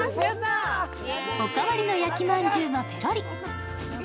するとご主人がおかわりの焼きまんじゅうもペロリ。